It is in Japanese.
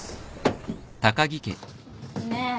ねえ